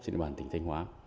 trên địa bàn tỉnh thanh hóa